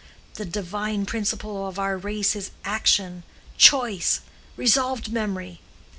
The divine principle of our race is action, choice, resolved memory.